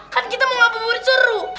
kan kita mau ngapain berceru